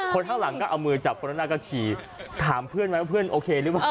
ข้างหลังก็เอามือจับคนนั้นก็ขี่ถามเพื่อนไหมว่าเพื่อนโอเคหรือเปล่า